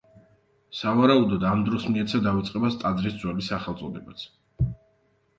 სავარაუდოდ, ამ დროს მიეცა დავიწყებას ტაძრის ძველი სახელწოდებაც.